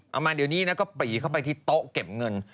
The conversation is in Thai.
มาเดี๋ยวนี้นะก็ปรีเข้าไปที่โต๊ะเก็บเงิน